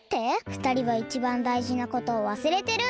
ふたりはいちばんだいじなことをわすれてる。